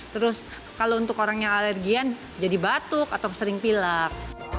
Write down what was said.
terus kalau untuk orang yang alergian jadi batuk atau sering pilak